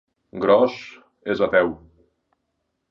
Gross és ateu.